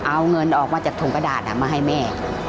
เอาเงินออกมาจากถุงกระดาษมาให้แม่